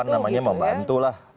apa namanya membantu lah